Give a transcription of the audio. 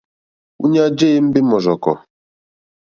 Íɲá jé ěmbé mɔ́rzɔ̀kɔ̀.